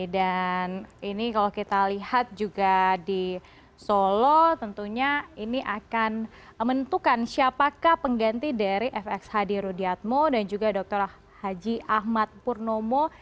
dan ini kalau kita lihat juga di solo tentunya ini akan menentukan siapakah pengganti dari fx hadi rudiatmo dan juga dr haji ahmad purnomo